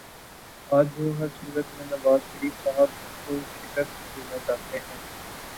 آج وہ ہر صورت میں نوازشریف صاحب کو شکست دینا چاہتے ہیں